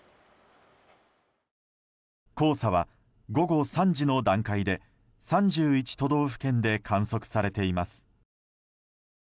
黄砂は午後３時の段階で３１都道府県で観測されています。